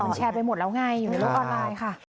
แชร์ไปหมดแล้วไงอยู่ในโลกออนไลน์ค่ะ